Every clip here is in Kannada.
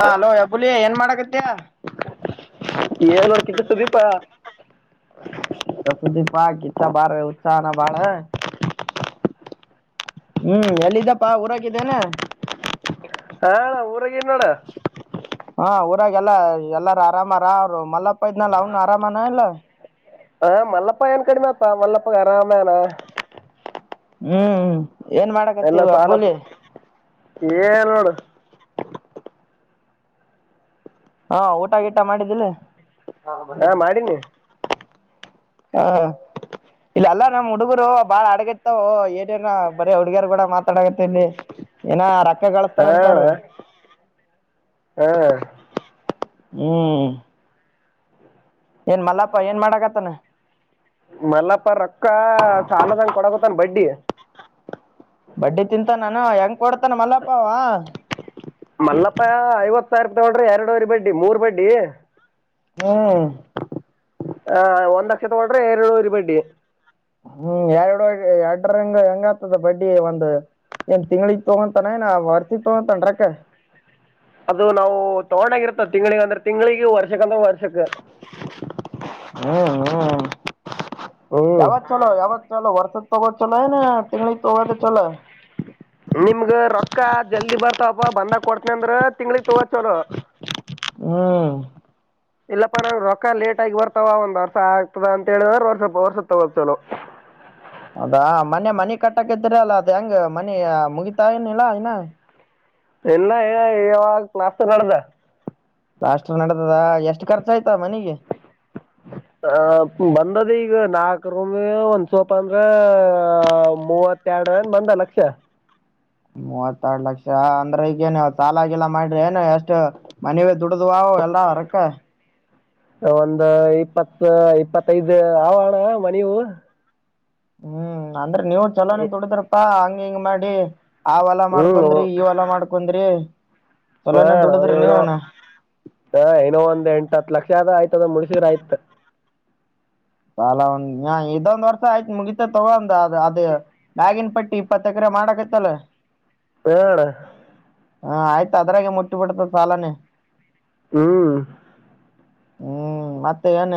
ಹಾ ಅಲೋ ಯಬ್ಬುಲಿ ಏನ್ ಮಾಡಕತ್ಯ ಏನು ನೋಡಿ ಕಿಚ್ಚ ಸುದೀಪ ಸುದೀಪಾ ಕಿತ್ತ ಬಾಳ ಉತ್ಸಾಹನ ಬಾಳ ಹ್ಮ್ ಎಲ್ಲಿದ್ದಪ್ಪಾ ಹಊರಾಕಿದ್ದೇನೆ ಹ ಆಣ ಊರಗಿನ್ನೋಡ ಹಾ ಊರಾಗ ಎಲ್ಲ ಎಲ್ಲಾರ ಆರಾಮ್ ಆರಾಮ್ ಮಲ್ಲ ಪ ಇ ನ ಲಾವನ್ ಆರಾಮಾನ ಇಲ್ಲ ಹಾ ಮಲ್ಲಪ್ಪ ಏನ್ ಕಡಿಮೆ ಅತ ಮಲ್ಲಪ್ಪ ಆರಾಮೇನ ಹ್ಮ್ ಹ್ಮ್ ಏನ್ ಎಲ್ಲ ಮಾಡಕತ್ತೀವಿ ಸಾಲ ಅಬ್ಬುಲಿ [unintelligible] ಏನೋಡು ಹಾ ಊಟ ಗೀಟ ಮಾಡಿದ್ದಿಲ್ಲ ಹಾ ಮಾಡಿನಿ ಹ ಇಲ್ಲ ಎಲ್ಲ ನಮ್ಮ್ ಹುಡುಗರು ಬಾಳ ಅಡಗರ್ತವು ಏನೇನ ಬರ ಹುಡುಗಿಯರ್ ಕೂಡ ಮಾತಾಡಗತ್ತೆ ಇಲ್ಲಿ ಏನ ರಕ್ತ ಮಕಗಗಳತಾರಂತಾರ್ರೀ [unintelligible] ಹ್ಮ ಹ್ಮ್ ಏನ್ ಮಲ್ಲಪ್ಪ ಏನ್ ಮಾಡಾಕತ್ತಾನ ಮಲ್ಲಪ್ಪ ರೊಕ್ಕ ಸಾಲದಂಗ ಕೊಡಗತ್ತನ್ ಬಡ್ಡಿ ಬಡ್ಡಿ ತಿಂತ ನಾನು ಹೆಂಗ ಕೊಡ್ತಾನ ಮಲ್ಲಪ್ಪ ಅವ ಐವತ್ ಸಾವಿರ ತಗೊಂಡ್ರಿ ಎರಡವರಿ ಬಡ್ಡಿ ಮೂರ್ ಬಡ್ಡಿ ಹ್ಮ್ ಹಾ ಒಂದಂದು ಲಕ್ಷ ತಗಳ್ರೆ ಏರಳುರು ಬಡ್ಡಿ ಹ್ಮ್ ಎರಡು ಎರಡ್ರಂಗ ಹೆಂಗ ಆತದ ಬಡ್ಡಿ ಒಂದ್ ಏನ್ ತಿಂಗಳಿಗೆ ತಗೋಂತಾನ ಏನ ವರ್ತಿ ತಗೋತನ ರೋಕ್ಕ ಅದು ನಾವು ತಗೊಂಡಾಗಿರತ್ತ ತಿಂಗಳಿಗೆ ಅಂದ್ರೆ ತಿಂಗಳಿಗೆ ವರ್ಷ ಅಂದ್ರೆ ಹ್ಮ್ ಹ್ಮ್ [unintelligible] ಹ್ಞೂ ಯಾವಾಗ ಚಲೋ ಯಾವಾಗ ಚಲೋ ವರ್ಷ ಪಗ ಚಲ ನ ತಿಂಗಳ [unintelligible] ತೋವಾ ಚಲ ಅಕ್ಕ ಜಲ್ದಿ ಬರ್ತಪ ಬಂದಾಗ ಕೊಡ್ತನ ಅಂದ್ರ ತಿಂಗಳಗ್ ತೊಗೋ ಚೋಲ ಹ್ಮ್ ಇಲ್ಲಪ್ಪಾ ನಾ ರೊಕ್ಕ ಲೇಟ್ ಆಗಿ ಬರ್ತಾವ ಒಂದ್ರ್ಸ ಆಗ್ತದ ಅಂತ ಹೇಳಿದ್ರ ವರ್ಷ ವರ್ಷ ತಗೋ ಚಲೋ ಅದಾ ಮನೆ ಮನಿ ಕಟ್ಟಕತಿರಿ ಅಲ್ಲ ಅದ್ ಹೆಂಗ ಮನಿ ಮುಗಿತಾ ಏನಿಲ್ಲಾ ಇನ ಎಲ್ಲ ಏ ಯಾವಾಗ ನಸ್ ನ್ದ ಲಾಸ್ ನಡದದ ಎಷ್ಟ ಖರ್ಚ ಆಯ್ತು ಹ ಬಂದು ಅನ್ನದ ಈಗ ನಾಕ ರೂಮಿ ಒಂದ್ ಸ್ವಲ್ಪ ಅಂದ್ರ ಮೂವತ್ತೆರಡು ಅನ್ ಬಂದ ಲಕ್ಷ ಮೂವತ್ರ್ಡ್ ಲಕ್ಷ ಅಂದ್ರ ಈಗೇನ್ವು ಚಾಲಾಗಿಲ್ಲ ಮಾಡ್ರಿ ಏನು ಎಷ್ಟ ಮನವಿೇ ದುಡದ್ವಾ ಎಲ್ಲಾ ಹೊರಕ್ಕ ಒಂದು ಇಪ್ಪತ್ ಇಪ್ಪತ್ತೈದು್ ಆವಣ್ಣ ಮನವು ಹ್ಮ್ ಅಂದ್ರೆ ನೀವು ಚಲೋನ್ ಇ- ತಡಿದ್ರಪ್ಪಾ ಹಂಗ ಹೆಂಗ್ ಮಾಡಿ ಅವಳ ಹ್ಮ್ ಮಾಡ್ಕೊಂಡ್ರಿ ಇವಲ ಮಾಡ್ಕೊಂಡ ಕೊಂದ್ರ ಹ ನಾ ನೋ ಹಾ ನೋ ಒಂದ್ ಎಂಟತ್ತು ಲಕ್ಷ ಆಯ್ತದ ಮುಡಿಸಿದ್ರ ಆಯ್ತತ್ ಸಾಲ ಒಂದ್ ಇದೊಂದ್ ವರ್ಷ ಆಯ್ತು ಮುಗಿತ ತಗಂದ ಅ ಅದ ಬ್ಯಾಗಿನ್ ಪಟ್ಟಿ ಇಪ್ಪತ್ತ ಎಕರೆ ಮಾಡಕೈತಲ್ಲ ಹ್ಮ್ ಅಣ್ಣ ಹಾ ಆಯ್ತು ಅದ್ರಾಗೆ ಮುಟ್ಟಿ ಬಿಿಡ್ತದ ಸಾಲನೆೇ ಹ್ಮ್ ಹ್ಮ್ ಮತ್ತೆ ಏನ್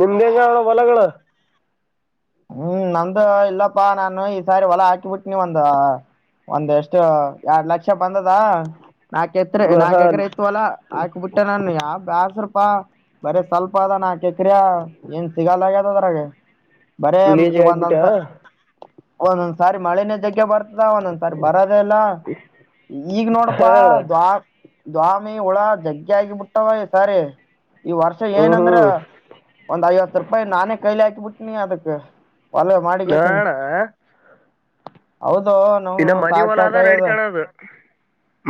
ನಿಮ್ದೆಂಗ ಅವಣ ಬಲಗಳು ಹ್ಮ್ ನಮ್ದು ಇಲ್ಲಪ್ಪಾ ನಾನು ಈ ಸಾರಿ ಹೊಲ ಹಾಕಿ ಬಿಿಟ್ಟನಿ ಒಂದ ಒಂದ್ ಎಷ್ಟು ಎರಡ್ ಲಕ್ಷ ಬಂದದ ನಕ ಎತ್ರರೆ ಹಾಂ ನಾಕೆಕರೆಐತ ಅಲ್ಲ ಆಕಬುಟ್ಟೆ ನಾನು ಯ ಬಡ್ಸ್ರಪಾ ಬರ ಸ್ವಲ್ಪ ಅದಾ ನಾಕು ಎಕರೆ ಏನ್ ಸಿಗಲ್ಲಗ ಅದ ಅದ್ರಾಗ ಬರೇ ಈ ಲೇಜಿಗೆ ಆಗ್ಬಿಟ್ಟ್ಯಾ ಒಂದೊಂದ್ಸ ಒಂದೊಂದ್ ಸ ಮಳೆ ಜಕ್ಕೆ ಬರ್ತದ ಒಂದೊಂದ್ ಸಾರಿ ಬರ ಎಲ್ಲ ಈಗ್ ಹಾ ನೋಡಪಾ ಅಣ್ಣ ದ ದ್ವಾಮಿ ಹುಳ ಜಗ್ಗೆ ಆಗಿಬಿಟ್ಟವ ಈ ಸಾರಿ ಈ ವರ್ಷ ಹ್ಮ್ ಏನಂದ್ರ ಹ್ಮ್ ಒಂದ್ ಐವತ್ತು ರೂಪಾಯಿ ನಾನೇ ಕೈಲಿ ಹಾಕಿ ಬಿಟ್ಟ ನೀ ಅದ [unintelligible] ಹುಲ ಮಾಡಕೆ ಚೆನ್ನ ನಾಣ ಹೌದು ಇನ್ನ ನೌನು ಮನಿ ಸಾಕ್ ಹೊಲ ಆದ ಸಾಕಾಗ್ಯದ ನಡಿತಣ ಅದು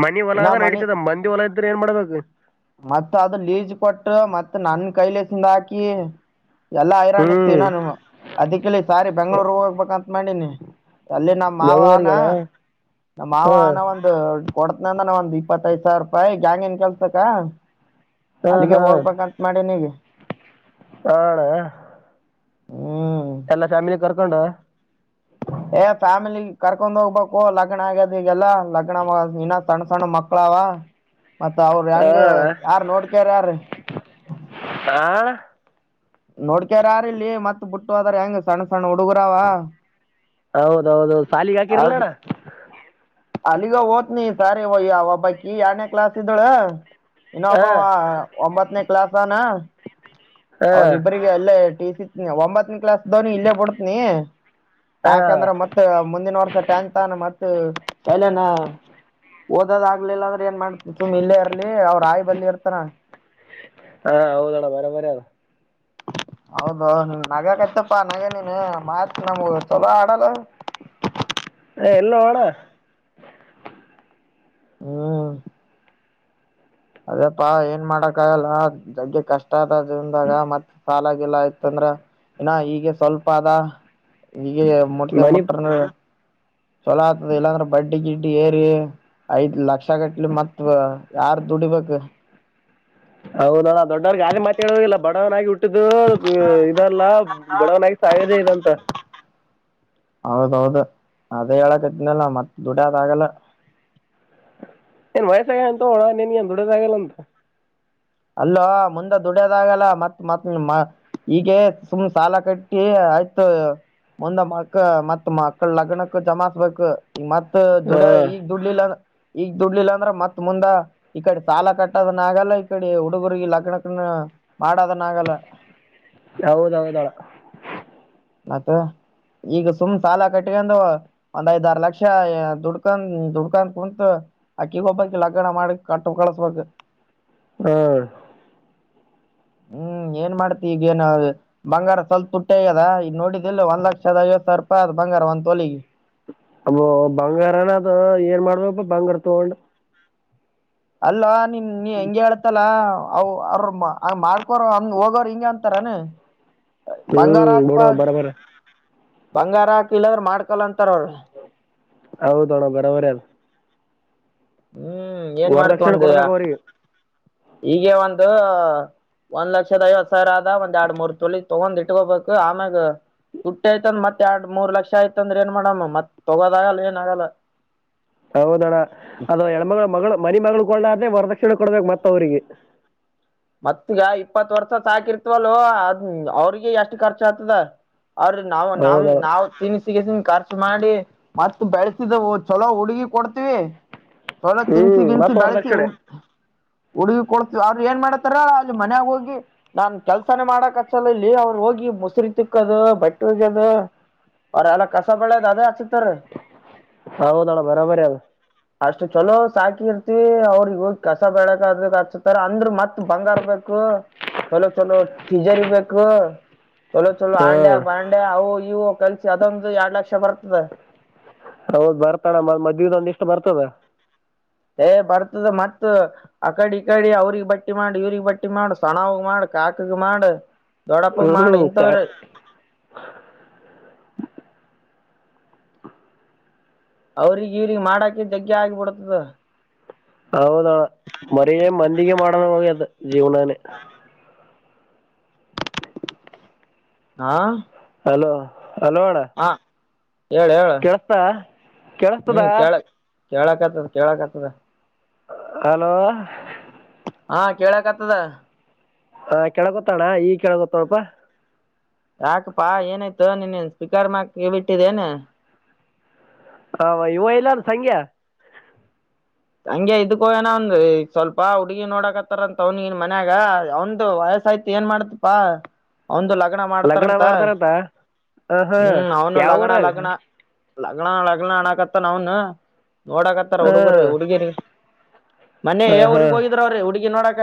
ಮನಿ ಇನ್ನ ಹೊಲದ ಮನಿ ನಡತದ ಮಂದಿ ಹೊಲ ಇದ್ರೆ ಏನ್ ಮಾಡ್ಬೇಕು ಮತ್ತ ಅದು ಲೀಜ ಕೊಟ್ಟು ಮತ್ತತ್ ನನ್ ಕೈಲಸಿಂದ ಹಾಕಿ ಎಲ್ಲಾ ಹಐರಾಣ ಇತ್ತು ಹ್ಮ್ ಇನ್ನ ಅದಿಕ್ಕೆಲ್ಲಿ ಸಾರಿ ಬೆಂಗ್ಳೂರ್ ಹೋಗ್ಬೇಕಂತ ಮಾಡಿನಿ ಅಲ್ಲಿ ನಮ್ಮ್ ಮಾವನ ಬೆಂಗಳೂರಿಗಣ ನಮ್ಮ ಹ ಮಾವ ಅನ ಒಂದು ಕೊಡ್ತನಂದ್ರ ಒಂದ ಇಪ್ಪತ್ತೈದು ಸಾವರ ರೂಪಾಯಿ ಜಾಯಿನ್ ಕೆಲ್ಸ ಹಾ ಹ್ಮ ಹಾ ಹಣ ಹ್ಞೂ ಎಲ್ಲ ಫ್ಯಾಮಿಲಿ ಕ್ರಕ್ ಣ ಏ ಫ್ಯಾಮಿಲಿ ಕರ್ಕೊಂಡ್ ಹೋಗ್ಬೇಕು ಲಗ್ನ ಆಗ್ಯದ್ ಈಗೆಲ್ಲಾ ಲಗ್ನ ಇನ್ನ ಸಣ್ಣ ಸಣ್ಣ ಮಕ್ಳಾವ ಮತ್ತ ಅವ್ರ ಹೆಂಗ ಹಣ ಯಾರ್ ನೋಡ್ಕಾರ ಯಾರ ಹಣ ನೋಡ್ಕ್ಯಾರಾರಲ್ಲಿ ಮತ್ ಬಿಟ್ಟು ಹದ್ರ ಹೆಂಗ ಸಣ್ಣ ಸಣ್ಣ ಹುಡುಗರಾವ ಹೌದೌದೌದು ಶಾಲಗಾಕಿರಲ್ಲಣ- ಅಲ್ಲಿಗ ಓತ್ನಿ ಸಾರಿ ಒಯ್ಯ ಒಬಕಿ ಯಾರ್ನೇ ಕ್ಲಾಸ್ ಇದ್ದಳ ಹ ಇನ್ನೊಬ್ಬವ ಒಂಬತ್ತನೇ ಕಾಲ್ಸ್ವನ ಹ ಅವ್ರ ಇಬ್ಬರಿಗೆ ಅಲ್ಲೇ ಟಿ ಸಿ ಒಂಬತ್ತನೇ ಕ್ಲಾಸ್ ವನಿ ಇಲ್ಲೇ ಬಿಡತ್ನಿ ಹ ಯಾಕಂದ್ರ ಹ ಮತ್ ಮುಂದಿನ ವರ್ಷ ಟ್ಯಾಂತ ಮತ್ ಹ್ಮ ಅಲೆನ ಓದೋದ ಆಗ್ಲಿಲ್ಲ ಅಂದ್ರೆ ಏನ್ ಮಾಡ್ತ ಸುಮ್ ಇಲ್ಲೇ ಇರ್ಲಿ ಅವ್ರ ಆಯಿ ಬಲ್ ಇರ್ತಾರ ಹಾ ಹೌದದ ಬರ ಬರಿ ಅದ ಹೌದು ನಗ ಕತ್ತಪ್ಪಾ ನಗ ನೀನು ಮತ್ ನಮಗ ಚಲೋ ಆಡಲ್ಲ ಹ ಇಲ್ಲೂ ಅಣ್ಣ ಹ್ಮ್ ಅದಪ್ಪಾ ಏನ್ ಮಾಡಕ್ ಆಗಲ್ಲ ಜಗ್ಗೆ ಕಷ್ಟ ಆದದದಾಗ ಮತ್ ಸಾಲಾಗಿಲ್ಲ ಆಯ್ತಂದ್ರ ಇನ್ನ ಈಗೆ ಸ್ವಲ್ಪ ಅದ ಈಗ ಮಟ್ಟತ ಮನಿ ಮುಟ್ರನ ಚಲ ಆಗ್ತದಲ್ಲಾಂದ್ರೆ ಬಡ್ಡಿ ಗ ಏರಿ ಐದ್ ಲಕ್ಷ ಕಟ್ಲಿ ಮತ್ ಯಾರ ದುಡಿಬೇಕಕ ಹೌದಣಾ ದೊಡ್ಡವ್ರಗ ಆ ಮಾತಾ ಹೇಳೋದದಿಲ್ಲ ಬಡವನಾಗಿಟ್ಟ ಇದಲ್ಲ ಬಡವನಾಗಿ ಸಾಯದೆ ಇದಂತ ಹಾಂ [unintelligible] ಹೌದೌದು ಅದೇ ಹೇಳಕದನಲ್ಲ ಮತ್ತ ದುಡೇದ ಅದಾಗಲ್ಲ ಏನ್ ವಯಸ್ಸಾಗ ಅಂತ ಹೋಳ ನೀನ್ ಏನ್ ದುಡೋದ ಆಗಲ್ಲ ಅಂತ ಅಲ್ಲವಾ ಮುಂದೆ ದುಡ್ಯದಾಗಲ್ಲ ಮತ್ತ್ ಮ ಈಗ ಸುಮ್ ಸಾಲ ಕಟ್ಟಿ ಆಯ್ತು ಮುಂದ ಮಕ್ಕ ಮತ್ ಮಕ್ಕಳ ಲಗ್ನಕ್ಕ ಜಮಾಿಸಬೇಕು ಮತ್ತತ್ ದುಡ ಹಾಂ ಈಗ ದುಡ್ಲಿಲ್ಲ ಈಗ ದುಡ್ಲಿಲ್ಲ ಅಂದ್ರ ಮತ್ ಮುಂದ ಈ ಕಡೆ ಸಾಲ ಕಟ್ಟದನ ಆಗಲ್ಲ ಕಡೆ ಹುಡುಗುರಗಿ ಲಗ್ನ ಕನ್ನ ಮಾಡದನ್ನ ಆಗಲ್ಲ ಹೌದೌದಳ ಮತ್ತ ಈಗ ಸುಮ್ ಸಾಲ ಕಟ್ಕೊಂಡ ಒಂದ್ ಐದ ಆರ ಲಕ್ಷ ದುಡ್ಕ ದುಡ್ಕೊಂಡ ಕುಂತು ಅಕ್ಕಿಗ್ ಒಬ್ಬಕ್ ಲಗ್ಗಣ ಮಾಡಿ ಕಟ್ಟ ಕಳಸ್ಬೇಕ್ ಹಾ ಹ್ಮ್ ಏನ್ ಮಾಡ್ತಿ ಈಗ ಏನ ಬಂಗಾರ ಸ್ವಲ್ಪ ತುಟ್ಟ್ಯ ಅದ ಈಗ ನೋಡಿದಿಲ್ಲ ಒಂದ್ ಲಕ್ಷದ ಐವತ್ ಸಾವಿರ ರೂಪಾಯಿ ಆದ್ ಬಂಗಾರ ಒಂದ ತೋಲಿಗೆ. ಅಬ್ಬು ಬಂಗಾರನದು ಏನ್ ಮಾಡ್ಬೇಕಪ್ಪ ಬಂಗಾರ ತಗೊಂಡು ಅಲ್ಲ ನೀನ್ ನೀ ಹೆಂಗ ಹೇಳ್ತಿಲ್ಲ. ಅವ ಅವ್ರ ಮಾಡ್ಕೋರ್ ಅ ಹೋಗೋರು ಹಿಂಗ ಅಂತಾರಾನ ಹ್ಮ್ ಮೂಡೋ ಬರಬರ್ ಬಂಗಾರ ಹಾಕ ಇಲ್ಲದ್ರ ಮಾಡ್ಕೊಲ್ಂತಾರ ಅವ್ರ ಹೌದಣ ಬರಬರಾರ ಹ್ಮ್ ಏನ್ ವರದಕ್ಷಿಣೆ ಮಾಡ್ಕೊಂಡಿಯ ಕೊಡ್ಬೇಕು ಅವ್ರಿಗೆ ಈಗ ಒಂದು ಒಂದ್ ಲಕ್ಷದ ಐವತ್ ಸಾವಿರ ಆದ ಒಂದ್ ಎರಡ್ ಮೂರ್ ತೊಲಿ ತಗೊಂಡ್ ಇಟ್ಕೋಬೇಕು ಆಮ್ಯಾಗ ತುಟ್ಟಯತಂದ್ರ ಮತ್ತ ಎರಡ್ ಮೂರ್ ಲಕ್ಷ ಆಯ್ತ ಅಂದ್ರ ಏನ್ ಮಾಡದ ಮತ್ ತಗೋದ ಆಗಲ್ಲ ಏನ್ ಆಗಲ್ಲ ಹೌದಣ ಅದ ಹೆಣ್ಮಗಳು ಮಗಳು ಮನೆ ಮಗಳು ಕೊಳ್ಳರಾದ ವರದಕ್ಷಿಣೆ ಕೊಡ್ಬೇಕು ಮತ್ತ ಅವ್ರಿಗೆ. ಮತ್ಗ ಇಪ್ಪತ್ ವರ್ಷ ಸಾಕಿರ್ತವಲ್ ಅದ್ ಅವ್ರಿಗೆ ಎಷ್ಟ್ ಖರ್ಚ ಆಗ್ತದ. ಅದರ ನಾವು ನಾ ಹೌದಣ್ಣ ನಾವು ತಿನಿಸ ಕ್ಯಾಸ ಕಾರ ಮಾಡಿ ಮತ್ತ್ ಬೆಳಸಿದವು ಚಲೋ ಹುಡುಗಿ ಕೊಡ್ತೀವಿ. ಚೊಲೋ ತಿನ್ಸಿ ಹ್ಮ್ ಗಿನ್ಸಿ ಮತ್ತ ಬೆಳಸಿ. ವರದಕ್ಷಿಣೆ ಹುಡುಗಿ ಕೊಡ್ತೀವಿ ಅವ್ರು ಏನ್ ಮಾಡತೆ ಹತಾರ ಅಲ್ಲಿ ಮನ್ಯಾಗ ಹೋಗಿ ನಾನ್ ಕೆಲ್ಸಾನೇ ಮಾಡಕ್ ಹಚ್ಚಲ್ಲ ಇಲ್ಲಿ ಅವ್ರರು ಹೋಗಿ ಮುಸರಿ ತಿಕ್ಕೋದು ಬಟ್ಟಿ ಒಗ್ಗೆದ ಅವ್ರ ಎಲ್ಲ ಕಸ ಬಳ್ಯದ ಅದೇ ಹಚ್ತಾರ. ಹೌದಳ ಬರಬರಿ ಅದ ಅಷ್ಟು ಚಲೋ ಸಾಕಿ ಇರ್ತಿ ಅವ್ರಿಗೆಗ ಹೋಗ ಕಸ ಬಳ್ಳಾಕ ಹಚ್ತಾರ ಅಂದ್ರ ಮತ್ತ ಬಂಗಾರ ಬೇಕು ಚಲೋ ಚಲೋ ಟಿಜರಿ ಬೇಕು ಚಲೋ ಚಲೋ ಆಂಡ್ಯಾ ಹ್ಮ್ ಬಾಂಡ್ಯಾ ಅವು ನೀವು ಕಲ್ಸಿ ಅದೊಂದು ಎರಡ್ ಲಕ್ಷ ಬರ್ತದೆ. ಹೌದ್ ಬರ್ತಣ ಮ ಮದ್ವೆದ ಒಂದ್ ಇಷ್ಟ ಬರ್ತದ. ಏ ಬರ್ತದ ಮತ್ ಆಕಡಿ ಇಕಡಿ ಅವ್ರಗ್ ಬಟ್ಟಿ ಮಾಡು ಇವ್ರಗ್ ಬಟ್ಟಿ ಮಾಡ ಸಣ್ಣವಗ ಮಾಡ ಕಾಕಗ ಮಾಡ. ದೊಡ್ಡಪ್ಪ ಮಾಡ ಹ್ಮ್ ಇಥವ್ರ ಚಾ- ಅವ್ರಿಗೆ ಇವ್ರಗ್ ಮಾಡಾಕ ಜಗ್ಗಿ ಆಗಿಬಿಡತದ ಹೌದ ಬರೀ ಮಂದಿಗೆ ಮಾಡದ ಆಗೇದ ಜೀವನನೆ. ಹಾ ಹಲೋ ಹಲೋ ಅಣ್ಣ ಹಾ ಹೇಳ ಹೇಳ ಕೆಳ್ಸ್ತ ಕೆೇಳಸ್ತದಾ ಕೇಳಕ್ ಆತದ ಕೇಳಕ್ ಆತದ ಹಲೋ ಹಾ ಕೇಳಕ್ತದ ಹಾ ಕೆಳಕುತ್ತಣ್ಣ ಈಗ ಕೆಳಕುತ್ತಳಪಾ ಯಾಕಪ್ಪಾ ಏನಾಯ್ತ ನೀನ್ನನ್ ಸ್ಪೀಿಕರ್ ಮ್ಯಾಗ ಕೈ ಬಿಟ್ಟಿವೆನ್ ಹ ಇವ ಎಲ್ಲಾರ ಸಂಖ್ಯಾ ಹಂಗೆ ಇದಕ್ಕೋ ಏನ ಒಂದ್ ಈಗ ಸ್ವಲ್ಪ ಹುಡ್ಗಿ ನೋಡಕತ್ತಾರಂತ ಅವನಿಗನ್ ಮನ್ಯಾಗ ಅವಂದು ವಯಸ್ಸಯ್ತು ಏನ್ ಮಾಡ್ತಪಾ ಅವಂದು್ ಲಕ್ಷ ಲಗ್ನ ಮಾಡ್ತಾರಂತ ಹ ಹಾ ಹ್ಮ್ ಅವನು ಲಗ್ನ ಯಾವಊರಾಗ ಲಗ್ನ ಲಗ್ನ ಲಗ್ನಣ ಆಕತ್ತ ನ ಅವನ್ ನೋಡಕತ್ತಾರ ಹುಡುಗರು [inaudible] ಮನೆೆಯ ಹೇ ಹಾಂ ಊರಿಗೆ ಹೋಗಿದ್ರ ಅವ್ರ ಹುಗಿ ನೋಡ ಆದ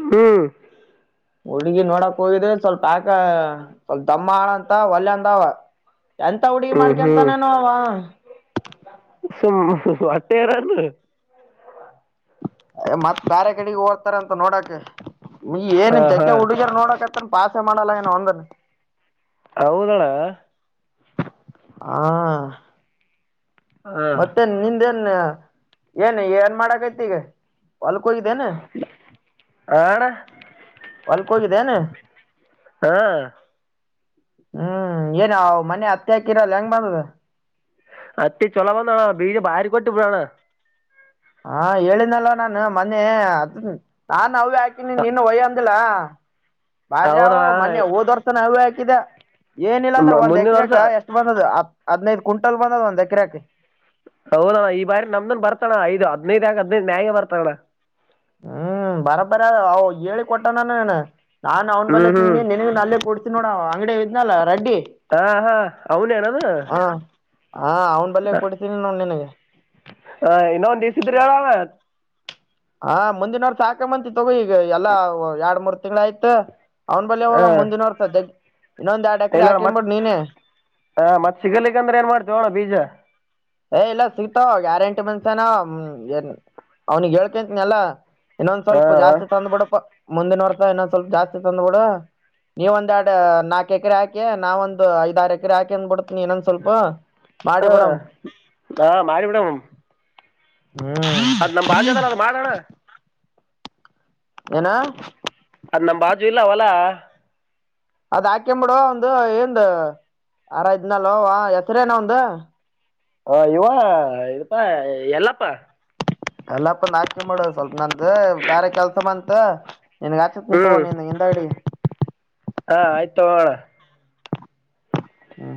ಹ್ಮ ಹುಡುಗಿ ನೋಡಕ್ ಹೋಗಿದ್ರೆ ಸ್ವಲ್ಪ ಯಾಕ ಸ್ವಲ್ಪ ದಮ್ಮ ಆಳಂತ ಹೊಲ್ಂದವ ಎಂತ ಹುಡುಗಿ ಹ್ಞೂ ಹ್ಞೂ ಮಾಡ್ಕೊಂತಾನೇನ ಅವ ಅಟ್ಟೆ ಎರನು ಮತ್ತ್ ಬಾರೆ ಕಡೆಗೆ ಹಓದ್ತಾರಂತ ನೋಡ ಕೆ ಈ ಏನನ್ ಹಾಂ ಚಕ್ಕೆೆ ಹಾಂ ಹುಡುಗಿಯರು ನೋಡಕ ನ್ ಪಾಸೆ ಮಾಡಲ್ಲ ಏನ್ ಒಂದನ್ ಹೌದಣ ಮತ್ತೆನ್ ನಿಂದೇನ್ ಏನ್ ಏನ್ ಮಾಡಕೈತಿ ಈಗ ಹೊಲಕ್ ಅಣ್ಣ ಹೋಗಿದೆನ್ ಹಾ ಹ್ಮ್ ಏನ್ ಮನೆ ಹತ್ತೆ ಹಕಿರಲ್ಲ ಹೆಂಗ್ ಬಂದದ ಅತ್ತ ಚೊಲವಂದಣ ಬೀಜ ಭಾರಕೋಟ್ಟ ಇಬಳಣ ಹಾ ಹೇಳಿದಲ್ವ ನಾನು ಮೊನ್ನೆ ಅ ನ ನಾವೇ ಹಾಕ ನಿನ್ ವಯ ಅಂದಿಲ್ಲಾ ಹಾ ಬಾರಿ ಆವ ಹೌದಣ್ಣ ಮೊನ್ನೇ ಓದ ವರ್ಸನ ಅದೇ ಹಾಕಿದೆ ಏನಿಲ್ಲ ಅಂದ್ರೆ ಮ- ಒಂದ್ ಮುಂದಿನ ಎಕರೆಕ ವರ್ಷ ಎಷ್ಟ ಬಂದದ ಅ ಹದಿ ನೈದು ಕ್ವಿಂಟಲ್ ಬಂದದ ಒಂದ ಎಕಿರಾಕೆ ಹೌದಣ್ಣ ಈ ಬಾರಿ ನಮ್ದನ್ ಬರ್ತಣ ಐದು ಹದ್ನೈದ ಆಕ ಹದ್ನೈದ ಮ್ಯಾಗ ಬರ್ತಾಣ್ಣ ಹ್ಮ್ ಬರಬರ ಅವ ಹೇಳಿ ಕೊಟ್ಟನಾನನ ನಾನು ಅವನ್ ಹ್ಞೂ ಬಲ್ಲೆ ಹ್ಞೂ ತಂದೀನಿ ನಿನಗನು ಅಲ್ಲೆ ಕೊಡ್ ನೋಡ ಅಂಗಡೆಗ್ ಇದನಲ್ಲ ಹಾ ಹಾ ಅವನೇನಾನು ಹಾ ಹಾ ಅವ್ನ್ ಬಲ್ಲೆ ಹ ಕೊಡ್ತೀನಿ ನೋಡ್ ನಿನಗೆ ಇನ್ನ ಒಂದುಸಿದ್ರ ಏಳಾಗ ಹಾ ಮುಂದಿನವರಸ ಹಾಕಮಂತಿ ತಗೋ ಈಗ ಎಲ್ಲಾ ಎರಡ್ ಮೂರ್ ತಿಂಗಳ ಆಯ್ತ ಅವ್ನ ಬಲ್ಲೆ ಹೋಗಮ್ ಹಾಂ ಮುಂದಿನ ವರ್ಸ ಅಲ್ಲೇ ಇಲ್ಲಣ್ಣ ಮತ್ ಹ ಮತ್ ಸಿಗಲಿಕ್ಕಂದ್ರೆ ಏನ್ ಮಾಡ್ತವೋಣ ಬೀಜ ಏ ಇಲ್ಲ ಸಿಗ್ತಾವ ಗ್ಯಾರಂಟಿ ಮನ್ಷ್ಯನ ಅವ ಅವ್ನಗ್ ಹೇಳ್ಕಂತನ ಎಲ್ಲ ಇನ್ನೊಂದ್ ಸ್ವಲ್ಪ ಹಾಂ ಜಾಸ್ತಿ ತಂದ್ ಬಿಡಪ್ಪ ಮುಂದಿನ ವರ್ಷ ಇನ್ನೊಂದ್ ಸ್ವಲ್ಪ ಜಾಸ್ತಿ ತಂದ್ಬಿಡು ನೀವ ಒಂದೆರಡು ನಾಕ್ ಎಕರೆ ಹಾಕಿ ನಾವ ಒಂದು ಐದ ಆರ್ ಎಕರೆ ಹಾಕಿ ಅಂದ್ಬಿಡ್ ನೀ ಇನ್ನೊಂದ್ ಸ್ವಲ್ಪ ಮಾಡಿ ಬಿಡಮ ಹಾ ಮಾಡಿ ಬಿಡಮ್ ಹ್ಮ್ ಅದ್ ನಮ್ ಬಾಜದಲ್ಲ ಅದು ಮಾಡೋಣ ಏನ ಅದ್ ನಮ್ಮ ಬಾಜು ಇಲ್ಲ ಹೊಲ ಅದ್ ಹಾಕೆಂ ಬಿಡು ಅವ್ನ್ದು ಇಂದ ಯಾರ ಇದ್ನಲ್ ಅವ ಹೆಸ್ರೇನ ಒಂದು ಹಾ ಇವ ಯಾರಪಾ ಎಲ್ಲಪ್ಪ ಎಲ್ಲಪ್ಪ ನಾಟಕೆ ಮಾಡುವ ಸ್ವಲ್ಪ ನಂದ ಬೇರೆ ಕೆಲ್ಸ ಬಂತ ನಿನಗೆ ಅಚ್ಚತ್ನ ತೋನಿನಗೆ ಇಂದಗಡೆ ಹಾ ಆಯ್ತ ತಗೋ ಅಣ್ಣ ಹ್ಮ